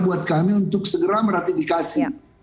buat kami untuk segera meratifikasi